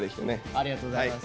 ありがとうございます。